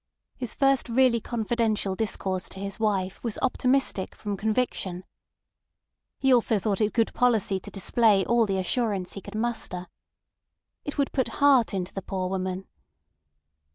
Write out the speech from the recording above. His first really confidential discourse to his wife was optimistic from conviction. He also thought it good policy to display all the assurance he could muster. It would put heart into the poor woman.